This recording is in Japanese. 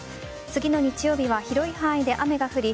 次の日曜日は広い範囲で雨が降り